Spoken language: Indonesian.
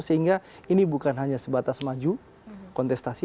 sehingga ini bukan hanya sebatas maju kontestasi